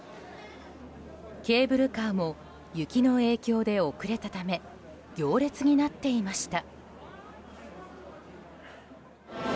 ケーブルカーも雪の影響で遅れたため行列になっていました。